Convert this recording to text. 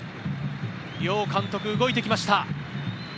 両監督、動いてきました。